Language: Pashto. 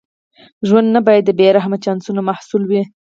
ژوند نه باید د بې رحمه چانسونو محصول وي.